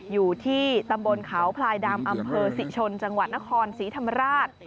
อยู่ที่ตำบลเขาพลายดำอำเภอศรีชนจังหวัดนครศรีธรรมราช